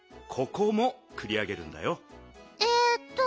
えっと